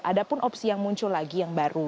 ada pun opsi yang muncul lagi yang baru